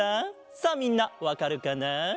さあみんなわかるかな？